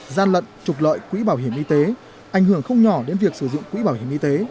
gian lận trục lợi quỹ bảo hiểm y tế ảnh hưởng không nhỏ đến việc sử dụng quỹ bảo hiểm y tế